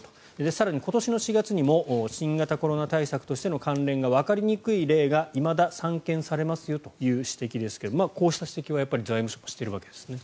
更に今年４月にも新型コロナ対策としての関連がわかりにくい例がいまだ散見されますよという指摘ですがこうした指摘は財務省はしているわけですね。